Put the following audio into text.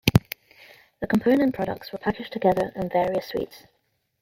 The component products were packaged together in various suites.